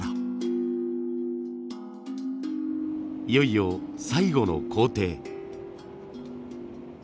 いよいよ最後の工程。